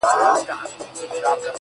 • ورته ښېراوي هر ماښام كومه،